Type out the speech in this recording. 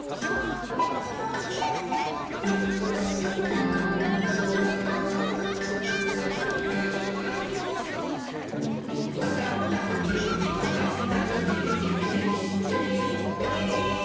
「えんのしたのちからもち」「わかったウキウキわかったウキウキ」「ウキウキウキウキウキウキ」